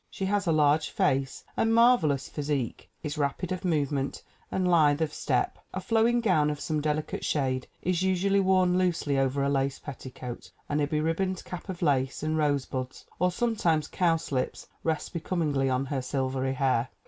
She has a large face and marvel ous physique, is rapid of movement and lithe of step. A flowing gown of some delicate shade is usually worn loosely over a lace petticoat, and a beribboned cap of lace and rosebuds or sometimes cowslips rests becomingly on her silvery hair.